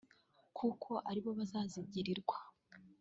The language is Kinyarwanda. kuko aribo bazazigirirwa